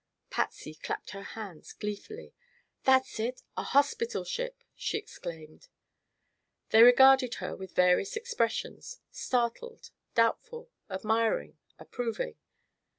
Patsy clapped her hands gleefully. "That's it; a hospital ship!" she exclaimed. They regarded her with various expressions: startled, doubtful, admiring, approving.